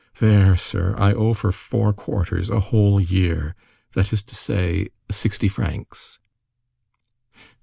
There, sir. I owe for four quarters—a whole year! that is to say, sixty francs."